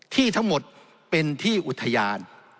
ที่ทั้งหมดเป็นที่อุทยาน